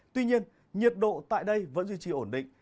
tuy nhiên nhiệt độ tại đây vẫn duy trì ổn định